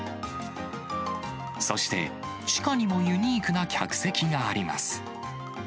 そして、地下にもユニークな客席があります。